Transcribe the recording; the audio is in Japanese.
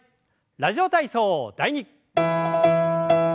「ラジオ体操第２」。